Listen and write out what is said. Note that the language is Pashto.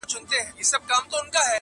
شپه د مستۍ ده له خمار سره مي نه لګیږي!